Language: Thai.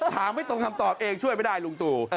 ไม่ตรงคำตอบเองช่วยไม่ได้ลุงตู่